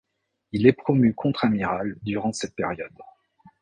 Il est promu contre-amiral durant cette période.